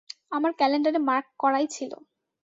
আমার ক্যালেন্ডারে মার্ক করাই ছিলো।